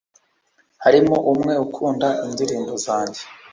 harimo umwe ukunda indirimbo zanjye